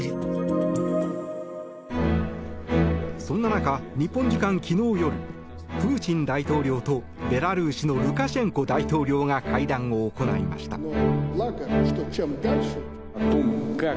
そんな中、日本時間昨日夜プーチン大統領とベラルーシのルカシェンコ大統領が会談を行いました。